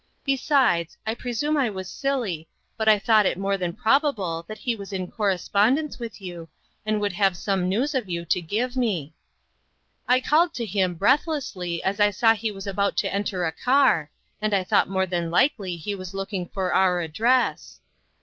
Besides, I presume I was silly, but I thought it more than probable that he was in correspondence with you, and would have some news of you to give me. I called to him, breathlessly, as I saw he was about to enter a car, and I thought more than likely he was looking for our address.